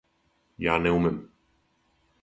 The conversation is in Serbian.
Ја не умем.